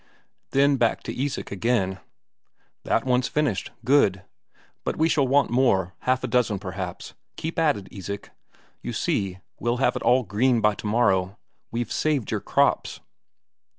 Then back to Isak again: "That's one finished good! But we shall want more half a dozen, perhaps. Keep at it, Isak; you see, we'll have it all green by tomorrow we've saved your crops!"